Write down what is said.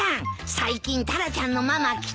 最近タラちゃんのママ来た？